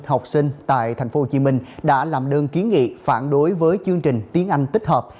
học sinh tại tp hcm đã làm đơn kiến nghị phản đối với chương trình tiếng anh tích hợp